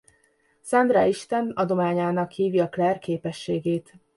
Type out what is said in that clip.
Sandra Isten adományának hívja Claire képességét.